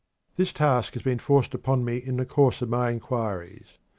This task has been forced upon me in the course of my inquiries.